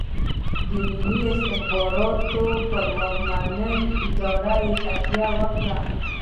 د ملي استخباراتو پر ځواکمنې ادارې تکیه وکړه.